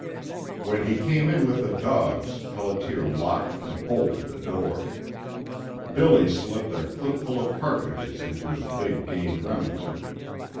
When he came in with the dogs Pelliter locked and bolted the door. Billy slipped a clipful of cartridges into his big game Remington.